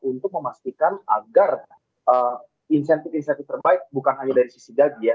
untuk memastikan agar insentif insentif terbaik bukan hanya dari sisi gaji ya